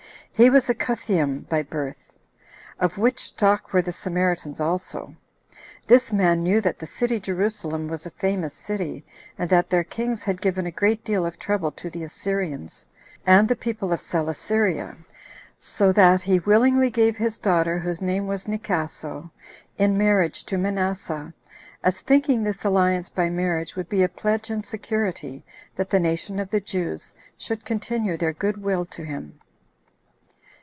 He was a Cutheam by birth; of which stock were the Samaritans also. This man knew that the city Jerusalem was a famous city, and that their kings had given a great deal of trouble to the Assyrians, and the people of Celesyria; so that he willingly gave his daughter, whose name was Nicaso, in marriage to Manasseh, as thinking this alliance by marriage would be a pledge and security that the nation of the Jews should continue their good will to him.